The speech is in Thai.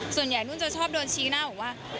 ส่วนใหญ่นุ่นจะชอบโดนชี้หน้าบอกว่า